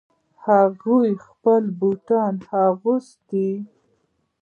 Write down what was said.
هغې خپلې بوټان اغوستې